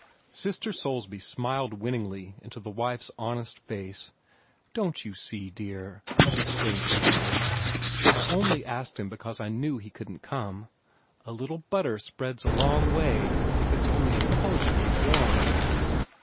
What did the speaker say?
Sister Soulsby smiled winningly into the wife's honest face. "Don't you see, dear," she explained patiently, "I only asked him because I knew he couldn't come. A little butter spreads a long way, if it's only intelligently warmed."